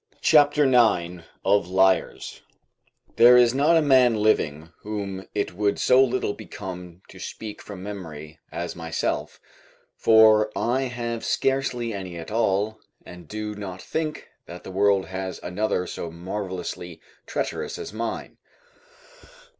CHAPTER IX OF LIARS There is not a man living whom it would so little become to speak from memory as myself, for I have scarcely any at all, and do not think that the world has another so marvellously treacherous as mine.